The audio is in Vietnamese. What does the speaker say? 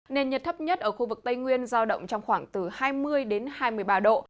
nền nhiệt thấp nhất ở khu vực tây nguyên giao động trong khoảng từ hai mươi đến hai mươi ba độ